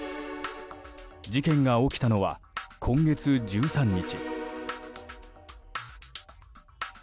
事件が起きたのは今月１３日。